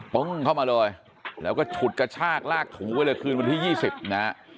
ปั่งเข้ามาโดยแล้วก็ฉุดกระชากลากถุงไปเลยคืนวันที่๒๐น